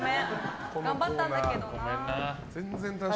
頑張ったんだけどな。